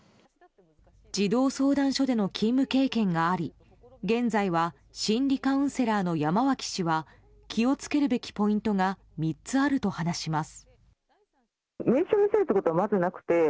児童相談所での勤務経験があり現在は心理カウンセラーの山脇氏は気を付けるべきポイントが３つあると話します。